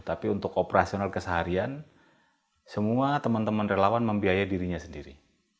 tapi untuk operasional keseharian semua teman teman relawan membiayai dirinya sendiri